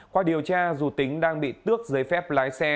qua điều tra dù tính đang bị tước giấy phép lái xe